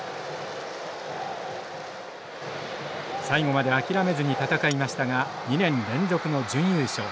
最後まで諦めずに戦いましたが２年連続の準優勝。